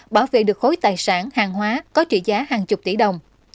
bảo vệ được khối tài sản hàng hóa có trị giá hàng chục tỷ đồng